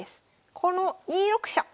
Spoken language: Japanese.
この２六飛車。